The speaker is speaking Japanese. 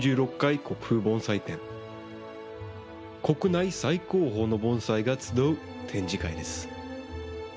国内最高峰の盆栽が集う展示会です